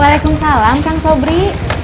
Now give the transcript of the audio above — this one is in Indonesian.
waalaikumsalam kang sobri